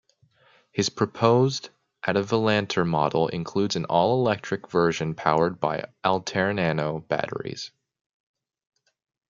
His proposed Autovolantor model includes an all-electric version powered by Altairnano batteries.